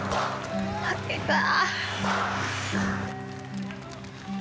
負けた。